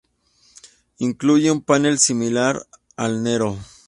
Incluye un panel similar al Nero.